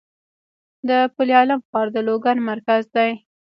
د پل علم ښار د لوګر مرکز دی